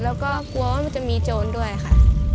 แล้วก็กลัวว่ามันจะมีโจรด้วยค่ะ